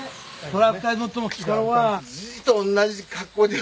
トラクターに乗ってもきつかろうが。